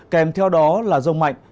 kèm theo đó là rông mạnh